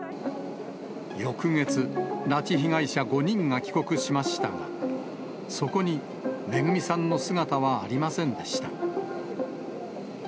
翌月、拉致被害者５人が帰国しましたが、そこにめぐみさんの姿はありませんでした。